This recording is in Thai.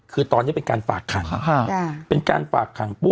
คือตอนนี้เป็นการฝากขังเป็นการฝากขังปุ๊